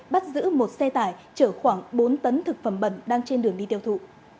bắt giữ một xe tải chở khoảng bốn tấn thực phẩm bẩn đang trên đường đi tiêu thụ